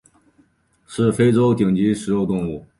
是非洲顶级的食肉动物。